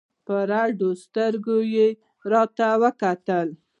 په رډو سترگو يې راوکتل.